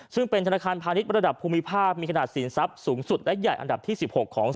ซึ่งเป็นธนาคารพาณิชย์ระดับภูมิภาคมีขนาดสินทรัพย์สูงสุดและใหญ่อันดับที่๑๖ของ